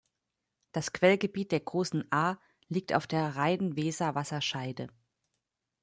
Das Quellgebiet der Großen Aa liegt auf der Rhein-Weser-Wasserscheide.